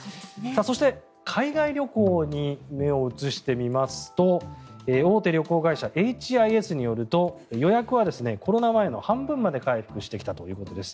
そして海外旅行に目を移してみますと大手旅行会社Ｈ．Ｉ．Ｓ．によると予約はコロナ前の半分まで回復してきたということです。